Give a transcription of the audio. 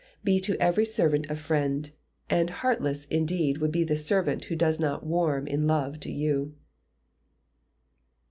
Be to every servant a friend; and heartless, indeed, will be the servant who does not warm in love to you.